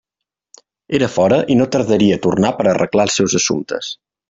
Era fora i no tardaria a tornar per a arreglar els seus assumptes.